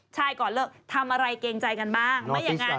ใช่ก่อนเลิกทำอะไรเกรงใจกันบ้าง